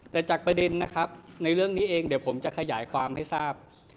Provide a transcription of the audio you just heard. แต่จากประเด็นนะครับในเรื่องนี้เองเดี๋ยวผมจะขยายความให้ทราบ